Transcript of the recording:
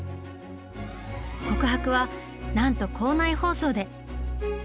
告白はなんと校内放送で！